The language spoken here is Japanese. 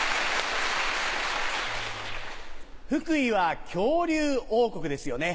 福井は恐竜王国ですよね。